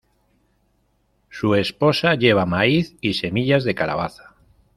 Su esposa lleva maíz y semillas de calabaza.